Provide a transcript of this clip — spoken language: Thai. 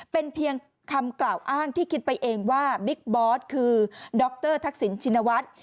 เป็นเพียงคำกล่าวอ้างที่คิดไปเองว่าบิ๊กบอสคือดรทักษิณชินวัฒน์